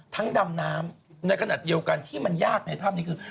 ดำน้ำในขณะเดียวกันที่มันยากในถ้ำนี้คือ